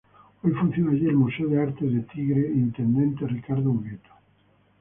Hoy funciona allí el Museo de Arte de Tigre "Intendente Ricardo Ubieto".